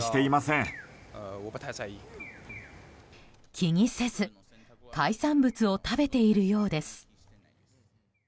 気にせず、海産物を食べているようです。